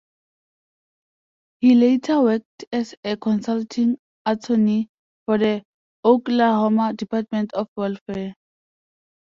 He later worked as a consulting attorney for the Oklahoma Department of Welfare.